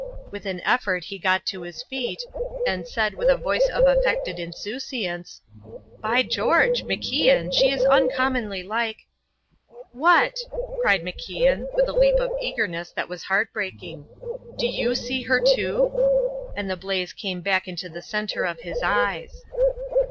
With an effort he got to his feet, and said with a voice of affected insouciance: "By George! MacIan, she is uncommonly like " "What!" cried MacIan, with a leap of eagerness that was heart breaking, "do you see her, too?" And the blaze came back into the centre of his eyes.